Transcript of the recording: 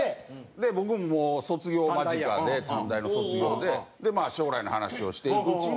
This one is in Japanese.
僕もう卒業間近で短大の卒業でまあ将来の話をしていくうちに。